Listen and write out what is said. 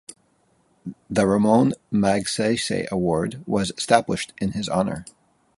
The Ramon Magsaysay Award was established in his honor.